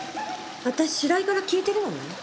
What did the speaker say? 私白井から聞いてるのよ。